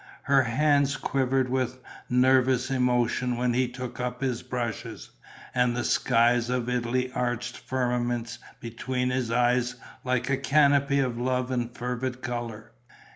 His hands quivered with nervous emotion when he took up his brushes; and the skies of Italy arched firmaments before his eyes like a canopy of love and fervid colour.